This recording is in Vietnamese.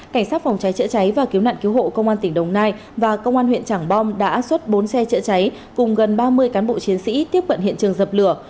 cảnh sát phòng cháy chữa cháy và cứu nạn cứu hộ công an tỉnh đồng nai và công an huyện trảng bom đã xuất bốn xe chữa cháy cùng gần ba mươi cán bộ chiến sĩ tiếp cận hiện trường dập lửa